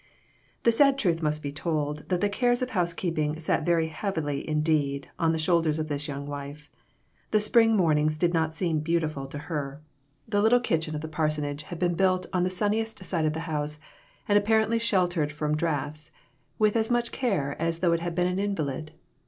The sad truth must be told that the cares of housekeeping sat very heavily indeed, on the shoulders of this young wife. The spring morn ings did not seem "beautiful ' to her. The little 74 A SMOKY ATMOSPHERE. kitchen of the parsonage had been built on the sunniest side of the house, and apparently shel tered from draughts, with as much care as though it had been an invalid.